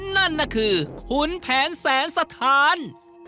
นั่นน่ะคือขุนแผนแสนสถาน